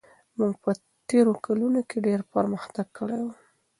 موږ په تېرو کلونو کې ډېر پرمختګ کړی و.